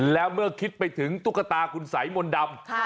แล้วเมื่อคิดไปถึงตุ๊กตาคุณสายมนต์ดำ